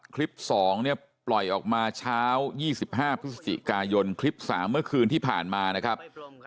๒เนี่ยปล่อยออกมาเช้า๒๕พฤศจิกายนคลิป๓เมื่อคืนที่ผ่านมานะครับ